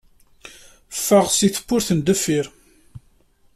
Ffeɣ s tewwurt n deffir.